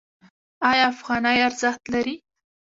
آیا افغانۍ ارزښت لري؟